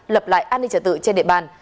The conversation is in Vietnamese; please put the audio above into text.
lập lại an ninh trả tự trên địa bàn